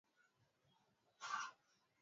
wa maji ya mto huu umeundwa na mto